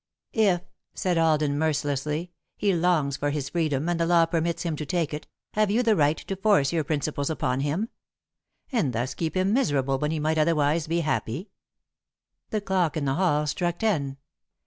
"If," said Alden, mercilessly, "he longs for his freedom, and the law permits him to take it, have you the right to force your principles upon him and thus keep him miserable when he might otherwise be happy?" The clock in the hall struck ten.